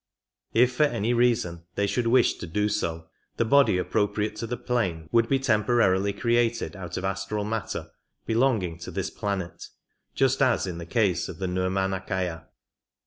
If for any reason They should wish to do so, the body appropriate to the plane would be tempo rarily created out of astral matter belonging to this planet, just as in the case of th'e Nirmanak^ya.